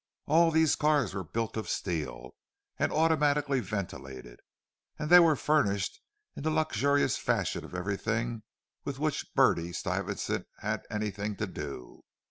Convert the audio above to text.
All these cars were built of steel, and automatically ventilated: and they were furnished in the luxurious fashion of everything with which Bertie Stuyvesant had anything to do.